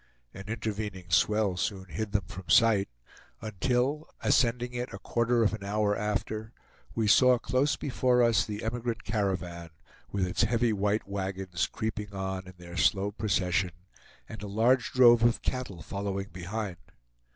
An intervening swell soon hid them from sight, until, ascending it a quarter of an hour after, we saw close before us the emigrant caravan, with its heavy white wagons creeping on in their slow procession, and a large drove of cattle following behind.